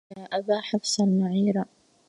يا أبا حفص المعير